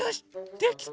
できた！